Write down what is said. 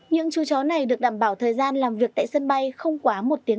những chú chó này được đảm bảo thời gian làm việc tại sân bay không quá một tiếng